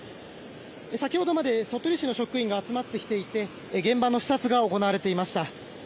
先ほどまで鳥取市の職員が集まってきていて現場の視察が行われていました。